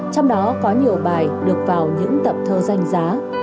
trong đó có nhiều bài được vào những tập thơ danh giá